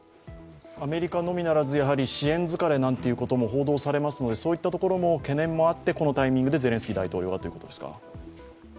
アメリカのみならず支援疲れなんてことも報道されますのでそういったところの懸念もあってこのタイミングでゼレンスキー大統領がということですか。